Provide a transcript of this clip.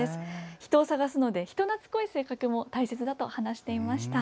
人を捜すので人懐っこい性格も大切だと話していました。